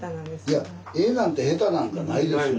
いや絵なんて下手なんかないですよね。